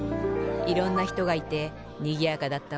いろんなひとがいてにぎやかだったわ。